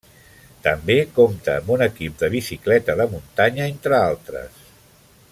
També compta amb un equip de bicicleta de muntanya entre altres.